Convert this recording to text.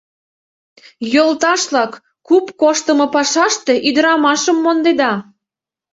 — Йолташ-влак, куп коштымо пашаште ӱдырамашым мондеда.